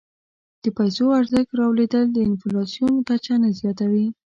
د پیسو ارزښت رالوېدل د انفلاسیون کچه نه زیاتوي.